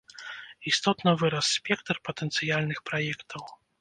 Істотна вырас спектр патэнцыяльных праектаў.